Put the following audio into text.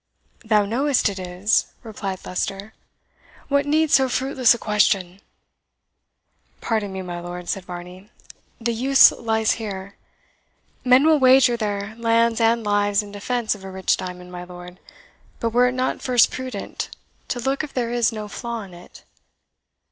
"Thou knowest it is!" replied Leicester. "What needs so fruitless a question?" "Pardon me, my lord," said Varney; "the use lies here. Men will wager their lands and lives in defence of a rich diamond, my lord; but were it not first prudent to look if there is no flaw in it?"